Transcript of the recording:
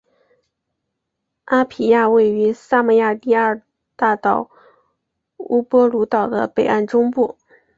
阿皮亚位于萨摩亚第二大岛乌波卢岛的北岸中部。